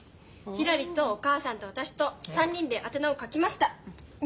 ひらりとお母さんと私と３人で宛名を書きました。